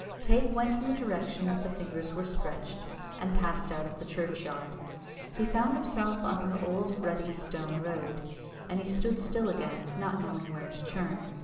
Teig went in the direction that the fingers were stretched, and passed out of the churchyard. He found himself on an old rutty, stony road, and he stood still again, not knowing where to turn.